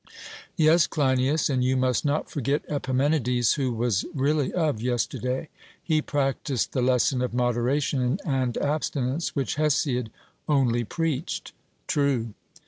Yes, Cleinias, and you must not forget Epimenides, who was really of yesterday; he practised the lesson of moderation and abstinence which Hesiod only preached. 'True.'